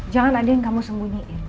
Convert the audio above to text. jangan ada yang kamu sembunyiin